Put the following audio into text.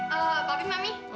eh pak bin mami